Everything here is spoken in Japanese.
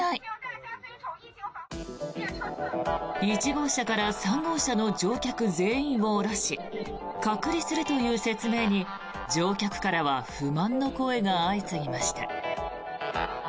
１号車から３号車の乗客全員を降ろし隔離するという説明に乗客からは不満の声が相次ぎました。